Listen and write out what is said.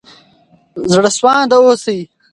زړه سوانده اوسئ.